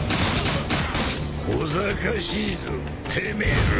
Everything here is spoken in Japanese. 小ざかしいぞてめえら。